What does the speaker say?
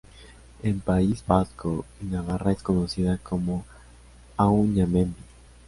En País Vasco y Navarra es conocida como Auñamendi.